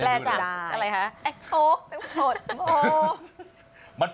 ต้องใช้ใจฟัง